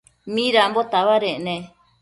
Midambo tabadec ne?